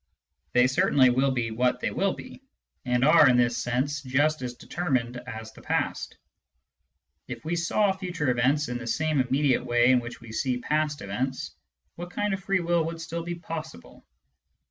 They certainly will be what they will be, and Digitized by Google ON THE NOTION OF CAUSE 235 arc in this sense just as determined as the past If we saw future events in the same immediate way in which we see past events, what kind of free will would still be possible